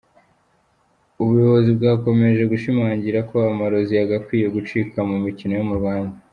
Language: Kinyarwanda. Ubuyobozi bwakomeje gushimangira ko amarozi yagakwiye gucika mu mikino yo mu Rwanda.